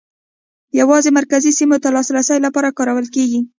یوازې مرکزي سیمو ته د لاسرسي لپاره کارول کېږي.